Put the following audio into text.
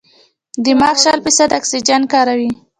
دماغ شل فیصده اکسیجن کاروي.